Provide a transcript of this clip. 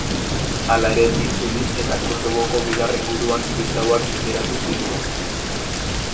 Hala ere itzuli eta Kosovoko bigarren guduan kristauak menderatu zituen.